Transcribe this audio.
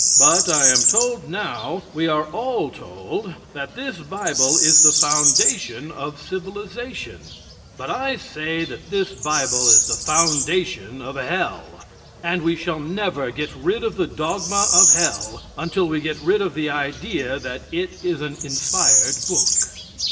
But I am told now, we are all told that this Bible is the foundation of civilization, but I say that this Bible is the foundation of Hell, and we never shall get rid of the dogma of hell until we get rid of the idea that it is an inspired book.